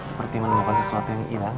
seperti menemukan sesuatu yang hilang